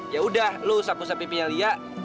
ya udah lo usap usap pipinya lia